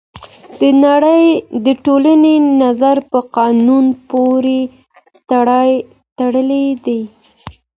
د ټولني نظم په قانون پورې تړلی دی.